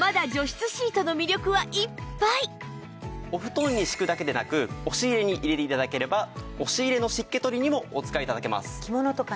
まだまだお布団に敷くだけでなく押し入れに入れて頂ければ押し入れの湿気取りにもお使い頂けます。